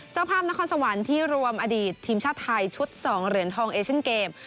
เจ้าภาพนครสวรรค์ที่รวมอดีตทีมชาติไทยชุด๒เหรียญทองเอเชียนเกม